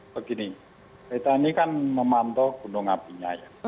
begini kita ini kan memantau gunung apinya ya